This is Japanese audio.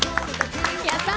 やったー！